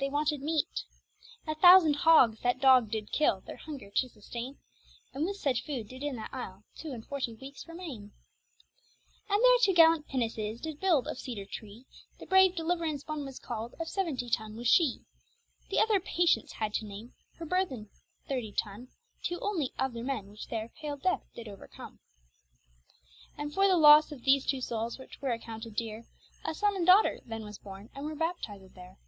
they wanted meate. A thousand hogges that dogge did kill, their hunger to sustaine, And with such foode did in that ile two and forty weekes remaine. And there two gallant pynases did build of seader tree; The brave Deliverance one was call'd; of seaventy tonne was shee. The other Patience had to name, her burthen thirty tonne; Two only of their men which there pale death did overcome. And for the losse of these two soules, which were accounted deere, A son and daughter then was borne, and were baptizèd there.